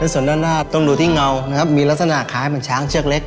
ส่วนด้านหน้าต้องดูที่เงานะครับมีลักษณะคล้ายเหมือนช้างเชือกเล็ก